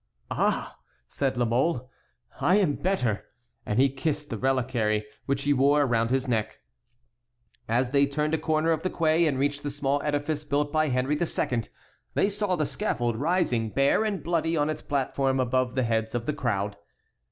"Ah!" said La Mole, "I am better," and he kissed the reliquary, which he wore around his neck. As they turned a corner of the quay and reached the small edifice built by Henry II. they saw the scaffold rising bare and bloody on its platform above the heads of the crowd.